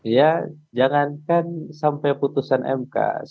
ya jangankan sampai putusan mk